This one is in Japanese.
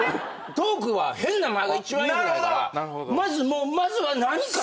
トークは変な間が一番よくないからまずは何か。